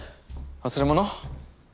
忘れ物？